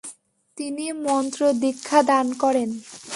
তিনি মন্ত্রদীক্ষা দান করেন।